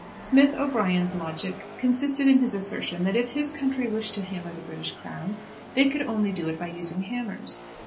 Smith O'Brien's logic consisted in his assertion that if his country wished to hammer the British Crown, they could only do it by using hammers.